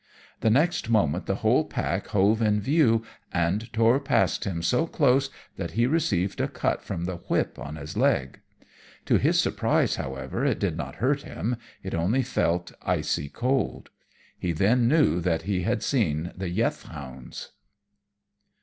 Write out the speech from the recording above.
The next moment the whole pack hove in view and tore past him so close that he received a cut from "the whip" on his leg. To his surprise, however, it did not hurt him, it only felt icy cold. He then knew that he had seen the "Yeth Hounds."